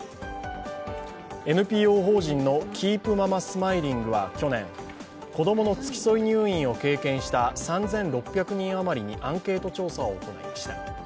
ＮＰＯ法人のキープ・ママ・スマイリングは去年、子供の付き添い入院を経験した３６００人余りにアンケート調査を行いました。